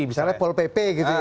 misalnya pol pp gitu ya